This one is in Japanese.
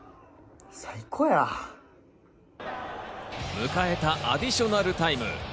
迎えたアディショナルタイム。